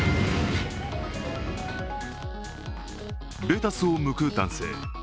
レタスをむく男性。